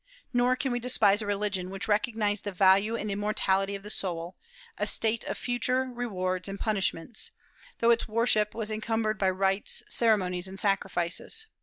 Nor can we despise a religion which recognized the value and immortality of the soul, a state of future rewards and punishments, though its worship was encumbered by rites, ceremonies, and sacrifices.